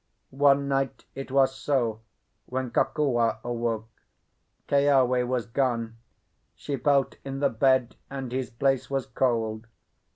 One night it was so when Kokua awoke. Keawe was gone. She felt in the bed and his place was cold.